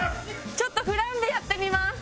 ちょっとフランべやってみます。